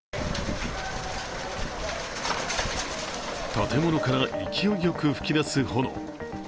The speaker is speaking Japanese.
建物から勢いよく噴き出す炎。